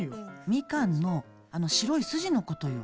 みかんのあの白い筋のことよ。